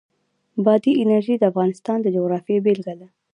بادي انرژي د افغانستان د جغرافیې بېلګه ده.